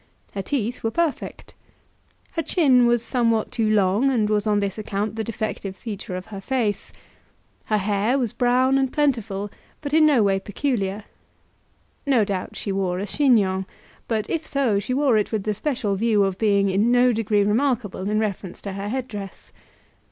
Her teeth were perfect. Her chin was somewhat too long, and was on this account the defective feature of her face. Her hair was brown and plentiful; but in no way peculiar. No doubt she wore a chignon; but if so she wore it with the special view of being in no degree remarkable in reference to her head dress.